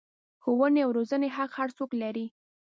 ښوونې او روزنې حق هر څوک لري.